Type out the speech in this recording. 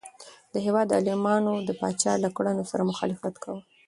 د هیواد عالمانو د پاچا له کړنو سره مخالفت کاوه.